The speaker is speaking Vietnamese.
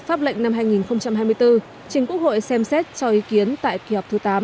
pháp lệnh năm hai nghìn hai mươi bốn trình quốc hội xem xét cho ý kiến tại kỳ họp thứ tám